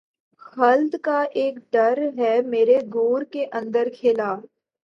خلد کا اک در ہے میری گور کے اندر کھلا